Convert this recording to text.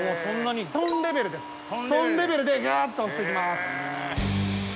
トンレベルですトンレベルでギュっと押して行きます。